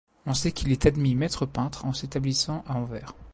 On sait qu'il est admis maître peintre en s'établissant à Anvers.